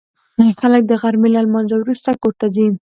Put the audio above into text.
خلک د غرمې له لمانځه وروسته کور ته ځي